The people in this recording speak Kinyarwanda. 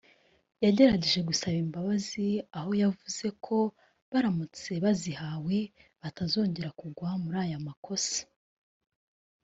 yagerageje gusaba imbabazi aho yavuze ko baramutse bazihawe batazongera kugwa muri ayo makosa